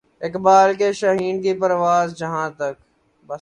اقبال کے شاھین کی پرواز جہاں تک